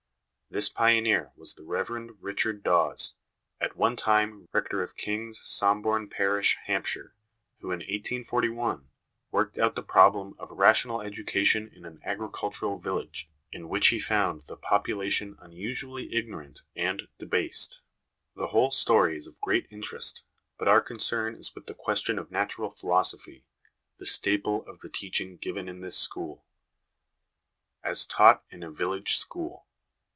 This pioneer was the Rev. Richard Dawes, at one time Rector of Kings Somborne parish, Hampshire, who, in 1841, worked out the problem of rational education in an agricultural village, in which he found the population unusually ignorant and debased, The whole story is of great interest, but our concern is with the question of Natural Philosophy, the staple of the teaching given in this school. As taught in a Village School.